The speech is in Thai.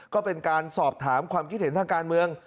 ก็เป็นการสอบถามความคิดเห็นทางการเมือง